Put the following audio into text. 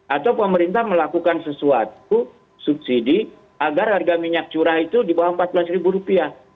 atau pemerintah melakukan sesuatu subsidi agar harga minyak curah itu di bawah rp empat belas rupiah